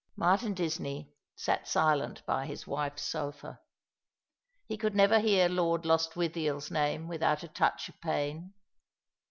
Martin Disney sat silent by his wife's sofa. He could never hear Lord Lostwithiel's name without a touch of pain.